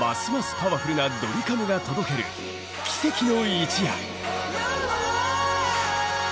パワフルなドリカムが届ける奇跡の一夜。